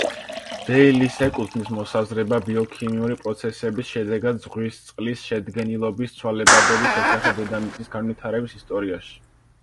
დეილის ეკუთვნის მოსაზრება ბიოქიმიური პროცესების შედეგად ზღვის წყლის შედგენილობის ცვალებადობის შესახებ დედამიწის განვითარების ისტორიაში.